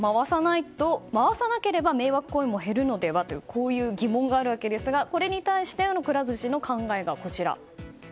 回さなければ迷惑行為も減るのでは？というこういう疑問があるわけですがこれに対してのくら寿司の考えがこちら。